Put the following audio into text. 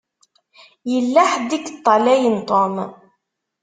Yella ḥedd i yeṭṭalayen Tom.